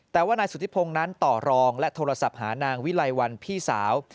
แต่ว่านายสุธิพงศ์นั้นต่อรองและโทรศัพท์หานางวิไลวันพี่สาว